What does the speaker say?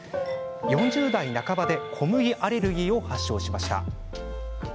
４０代の半ばで小麦アレルギーを発症しました。